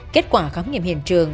kết quả khám nghiệm hiện trường